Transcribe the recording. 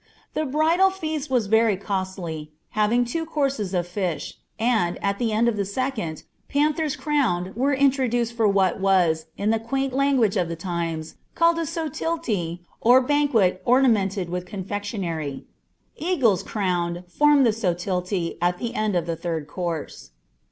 The bridal least was very costly, having two coqims M Ash, and, at the end of the second, panthers crowned were inttvduoni for what was, in the quaint language of the times, called a ^talt^U^ or bniiquet ornament of confectionary. Eagles, crowned, f«misl A* soitiliie. at the end of the third course.'